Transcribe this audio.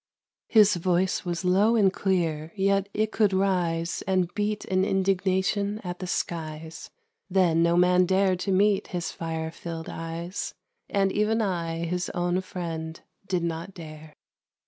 _ His voice was low and clear, yet it could rise And beat in indignation at the skies; Then no man dared to meet his fire filled eyes, And even I, his own friend, did not dare.